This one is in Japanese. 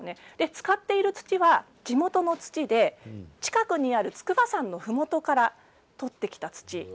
使っている土は地元の土で近くにある筑波山のふもとから取ってきた土。